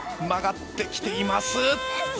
曲がってきています。